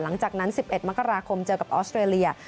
หลังจากนั้น๑๑มกราคมเจอกับออสเตรเลีย